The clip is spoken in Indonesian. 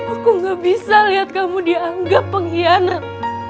aku gak bisa lihat kamu dianggap pengkhianat